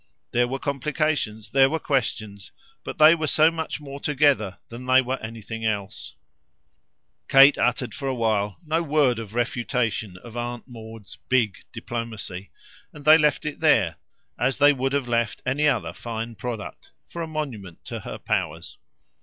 There were complications, there were questions; but they were so much more together than they were anything else. Kate uttered for a while no word of refutation of Aunt Maud's "big" diplomacy, and they left it there, as they would have left any other fine product, for a monument to her powers.